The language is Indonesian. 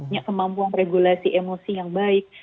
ya kemampuan regulasi emosi yang baik